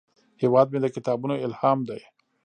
هیواد مې د کتابونو الهام دی